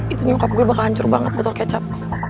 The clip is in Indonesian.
itu nyungkap gue bakal hancur banget botol kecap